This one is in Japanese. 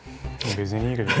別にいいけど。